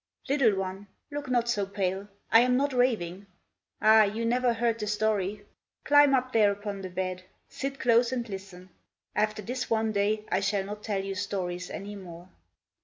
Little one, look not so pale. I am not raving. Ah! you never heard The story. Climb up there upon the bed: Sit close, and listen. After this one day I shall not tell you stories any more.